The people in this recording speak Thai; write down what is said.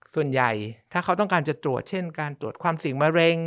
ส่วนใหญ่ถ้าเขาต้องการจะตรวจเช่นการตรวจความเสี่ยงมะเร็ง